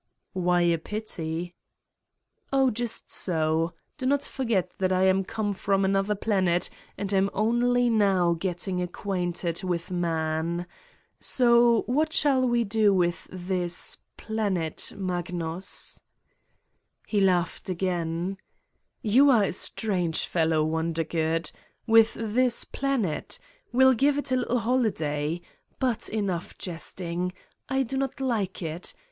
"Why a pity?" "Oh, just so. Do 7 not forget that I am come from another planet and am only now getting acquainted with man. So what shall we do with this planet Magnus I ' f He laughed again : "You are a strange fellow, Wonder good I With 175 Satan's Diary this planet! We will give it a little holiday. But enough jesting. I do not like it!"